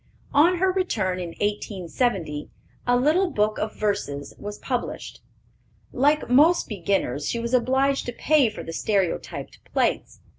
On her return, in 1870, a little book of Verses was published. Like most beginners, she was obliged to pay for the stereotyped plates.